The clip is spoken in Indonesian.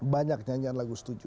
banyak nyanyian lagu setuju